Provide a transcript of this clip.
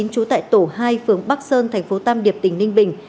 trú tại tổ hai phường bắc sơn thành phố tam điệp tỉnh ninh bình